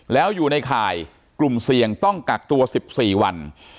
แล้วอยู่ในข่ายกลุ่มเสี่ยงต้องกักตัว๑๔วัน